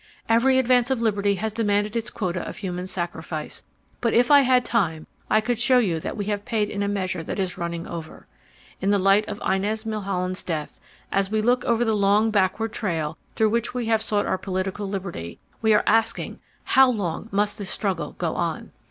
Every advance of liberty has demanded its quota of human sacrifice, but if I had time I could show you that we have paid in a measure that is running over. In the light of Inez Milholland's death, as we look over the long backward trail through which we have sought our political liberty, we are asking how long must this struggle go on.